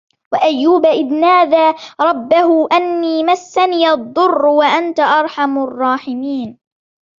وَأَيُّوبَ إِذْ نَادَى رَبَّهُ أَنِّي مَسَّنِيَ الضُّرُّ وَأَنْتَ أَرْحَمُ الرَّاحِمِينَ